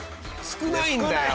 少ないんだよ！